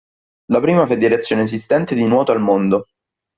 La prima federazione esistente di nuoto al mondo.